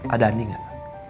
ada andi gak